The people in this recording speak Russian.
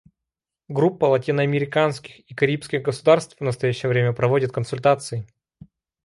Группа латиноамериканских и карибских государств в настоящее время проводит консультации.